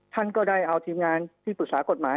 ท่านก็ได้เอาทีมงานที่ปรึกษากฎหมาย